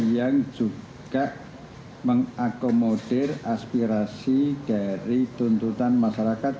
yang juga mengakomodir aspirasi dari tuntutan masyarakat